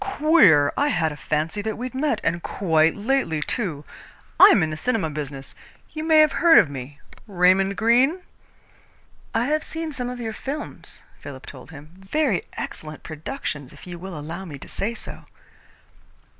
"Queer! I had a fancy that we'd met, and quite lately, too. I am in the cinema business. You may have heard of me Raymond Greene?" "I have seen some of your films," Philip told him. "Very excellent productions, if you will allow me to say so."